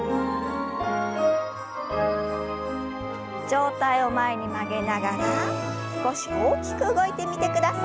上体を前に曲げながら少し大きく動いてみてください。